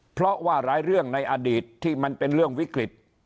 เพราะว่าหลายเรื่องในอดีตที่มันเป็นเรื่องวิกฤต